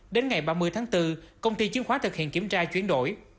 đến ngày ba mươi tháng bốn công ty chứng khoán thực hiện kiểm tra chuyển đổi